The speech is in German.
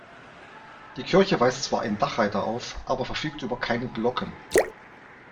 Die Kirche weist zwar einen Dachreiter auf, aber verfügt über keine Glocken.